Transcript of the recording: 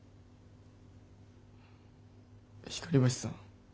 光橋さん。